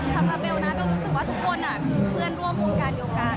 สำหรับเบลนะเบลรู้สึกว่าทุกคนคือเพื่อนร่วมวงการเดียวกัน